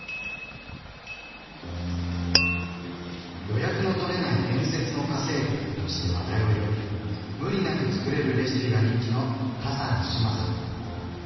「予約のとれない伝説の家政婦」として話題を呼び無理なくつくれるレシピが人気のタサン志麻さん。